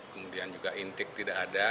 kemudian juga intik tidak ada